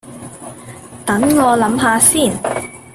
等我諗吓先